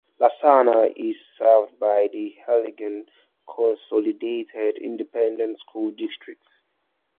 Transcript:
Lasana is served by the Harlingen Consolidated Independent School District.